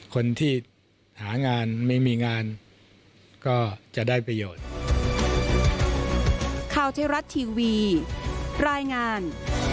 คนที่หางานไม่มีงานก็จะได้ประโยชน์